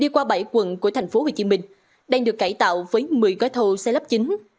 qua bảy quận của thành phố hồ chí minh đang được cải tạo với một mươi gói thầu xe lắp chính